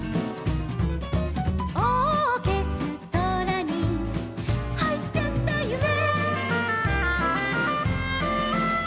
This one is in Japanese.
「オーケストラにはいっちゃったゆめ」